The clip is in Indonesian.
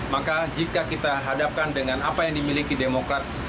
maka jika kita hadapkan dengan apa yang dimiliki demokrat